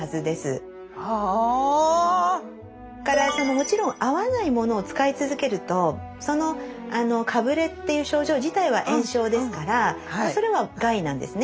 もちろん合わないものを使い続けるとそのかぶれっていう症状自体は炎症ですからそれは害なんですね。